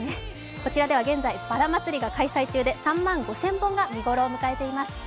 こちらでは現在、バラ祭りが開催中で３万５０００本が見頃を迎えています。